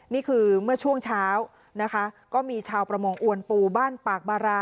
นี่คือเมื่อช่วงเช้านะคะก็มีชาวประมงอวนปูบ้านปากบารา